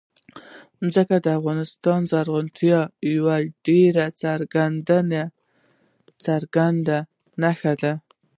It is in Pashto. ځمکه د افغانستان د زرغونتیا یوه ډېره څرګنده نښه ده.